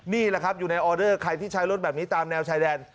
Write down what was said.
นี่แหละครับอยู่ในออเดอร์ใครที่ใช้รถแบบนี้ตามแนวชายแดน